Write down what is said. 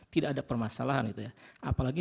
tidak ada permasalahan itu ya apalagi